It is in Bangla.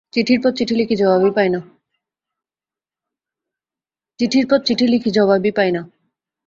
চিঠির পর চিঠি লিখি, জবাবই পাই না।